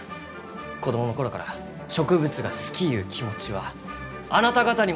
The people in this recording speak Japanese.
子供の頃から植物が好きゆう気持ちはあなた方にも引けは取らん！